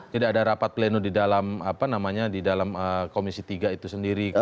tidak ada rapat pleno di dalam komisi tiga itu sendiri